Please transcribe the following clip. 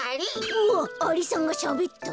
うわっアリさんがしゃべった。